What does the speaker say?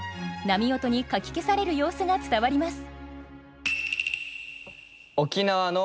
波音にかき消される様子が伝わります。